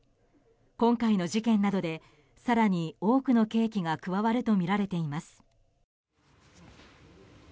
今回の事件などで更に多くの刑期が加わるとみられています。